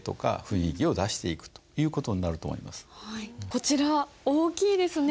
こちら大きいですね。